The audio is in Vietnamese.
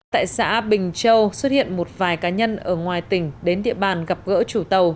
tại xã bình châu xuất hiện một vài cá nhân ở ngoài tỉnh đến địa bàn gặp gỡ chủ tàu